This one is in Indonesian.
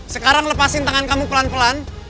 sekarang lepasin tangan kamu pelan pelan